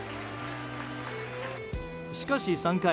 しかし、３回。